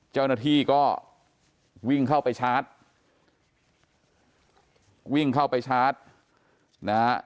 เจ้าหน้าที่ก็วิ่งเข้าไปชาร์จวิ่งเข้าไปชาร์จนะฮะ